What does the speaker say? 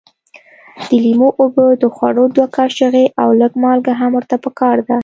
د لیمو اوبه د خوړو دوه کاشوغې او لږ مالګه هم ورته پکار ده.